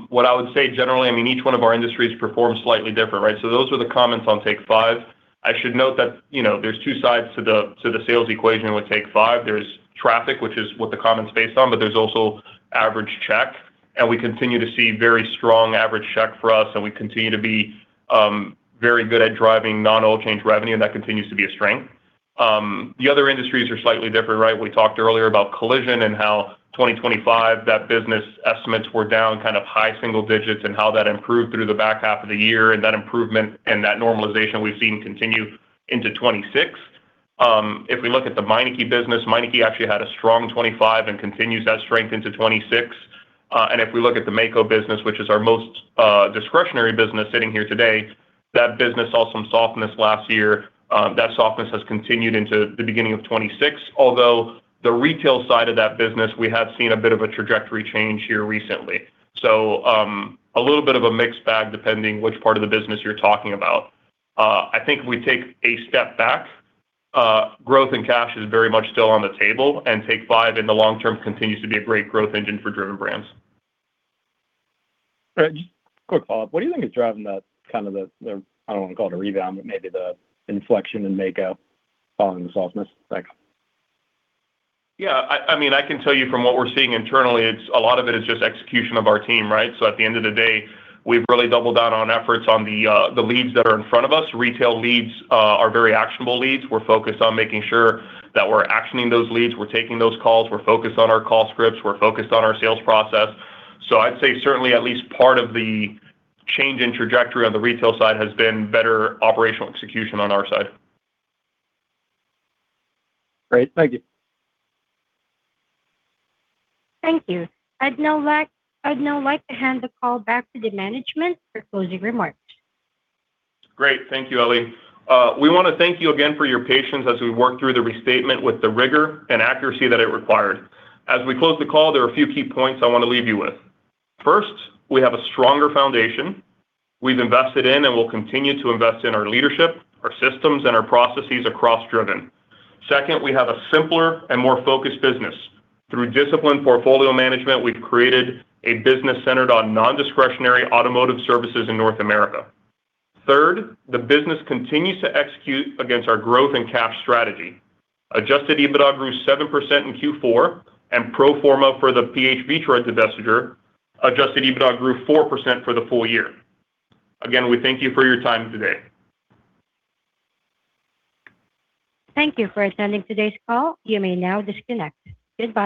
S3: What I would say generally, I mean, each one of our industries perform slightly different, right? Those were the comments on Take 5. I should note that, you know, there's two sides to the sales equation with Take 5. There's traffic, which is what the comment's based on, but there's also average check, and we continue to see very strong average check for us, and we continue to be very good at driving non-oil change revenue, and that continues to be a strength. The other industries are slightly different, right? We talked earlier about Collision and how 2025, that business estimates were down kind of high single digits and how that improved through the back half of the year, and that improvement and that normalization we've seen continue into 2026. If we look at the Meineke business, Meineke actually had a strong 2025 and continues that strength into 2026. If we look at the Maaco business, which is our most discretionary business sitting here today, that business saw some softness last year. That softness has continued into the beginning of 2026. The retail side of that business, we have seen a bit of a trajectory change here recently. A little bit of a mixed bag depending which part of the business you're talking about. I think if we take a step back, growth and cash is very much still on the table, and Take 5 in the long term continues to be a great growth engine for Driven Brands.
S12: All right. Just quick follow-up. What do you think is driving that kind of the, I don't wanna call it a rebound, but maybe the inflection in Maaco following the softness? Thanks.
S3: Yeah. I mean, I can tell you from what we're seeing internally, it's a lot of it is just execution of our team, right? At the end of the day, we've really doubled down on efforts on the leads that are in front of us. Retail leads are very actionable leads. We're focused on making sure that we're actioning those leads. We're taking those calls. We're focused on our call scripts. We're focused on our sales process. I'd say certainly at least part of the change in trajectory on the retail side has been better operational execution on our side.
S12: Great. Thank you.
S1: Thank you. I'd now like to hand the call back to the management for closing remarks.
S3: Great. Thank you, Ellie. We wanna thank you again for your patience as we work through the restatement with the rigor and accuracy that it required. As we close the call, there are a few key points I wanna leave you with. First, we have a stronger foundation. We've invested in and will continue to invest in our leadership, our systems, and our processes across Driven. Second, we have a simpler and more focused business. Through disciplined portfolio management, we've created a business centered on non-discretionary automotive services in North America. Third, the business continues to execute against our growth and cash strategy. Adjusted EBITDA grew 7% in Q4, and pro forma for the [inaudible] divestiture, Adjusted EBITDA grew 4% for the full year. We thank you for your time today.
S1: Thank you for attending today's call. You may now disconnect. Goodbye.